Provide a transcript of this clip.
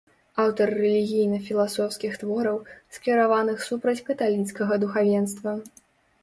Аўтар рэлігійна-філасофскіх твораў, скіраваных супраць каталіцкага духавенства.